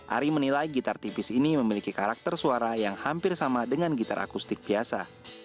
ari menilai gitar tipis ini memiliki karakter suara yang hampir sama dengan gitar akustik biasa